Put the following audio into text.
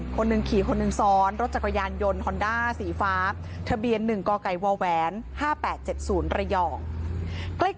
คนหนึ่งขี่คนหนึ่งซ้อนรถจักรยานยนต์ฮอนด้าสีฟ้าทะเบียน๑กกว๕๘๗๐ระยอง